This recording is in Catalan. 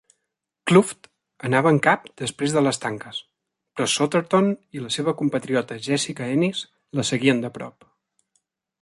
Klüft anava en cap després de les tanques, però Sotherton i la seva compatriota Jessica Ennis la seguien de prop.